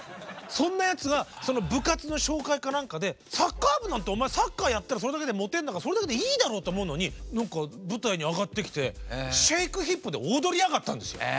そんなやつが部活の紹介か何かでサッカー部なんてお前サッカーやったらそれだけでモテるんだからそれだけでいいだろうと思うのに何か舞台に上がってきて「ＳｈａｋｅＨｉｐ！」で踊りやがったんですよ。